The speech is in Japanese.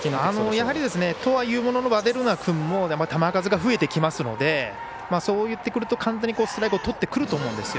やはり、とはいうもののヴァデルナ君も球数が増えてきますのでそういってくると簡単にスライダーをとってくると思うんですよ。